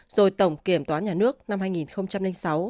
rồi tổng kiểm toán nhà nước năm hai nghìn sáu